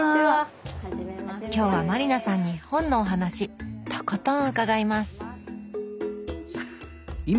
今日は満里奈さんに本のお話とことん伺います！